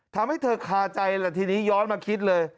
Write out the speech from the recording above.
ทำให้เธอคาใจแหละทีนี้ย้อนมาคิดเลย